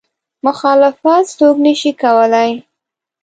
مخالفت څوک نه شي کولی.